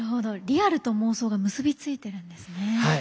リアルと妄想が結び付いてるんですね。